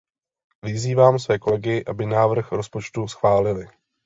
Vyzývám své kolegy, aby návrh rozpočtu schválili.